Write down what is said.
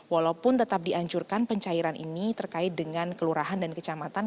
walaupun tetap dianjurkan pencairan ini terkait dengan kelurahan dan kecamatan